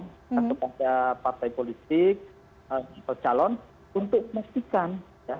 seperti partai politik calon untuk memastikan